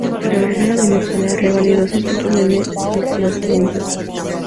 Al regresar a Venezuela, revalidó su título en el Liceo Fermín Toro.